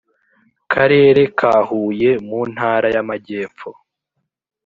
Karere ka huye mu ntara y amajyepfo